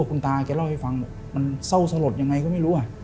คุณตาแกเล่าให้ฟังบอกมันเศร้าสลดยังไงก็ไม่รู้